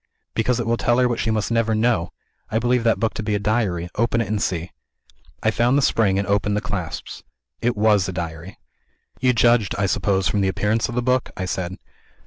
"Because it will tell her what she must never know. I believe that book to be a Diary. Open it, and see." I found the spring and opened the clasps. It was a Diary. "You judged, I suppose, from the appearance of the book?" I said.